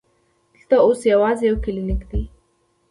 دلته اوس یوازې یو کلینک دی.